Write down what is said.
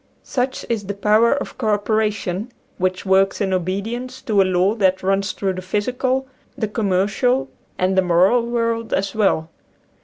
Such is the power of co opera tion, which works in obedience to a law that runs through the physical, the commercial, and the moral world as well.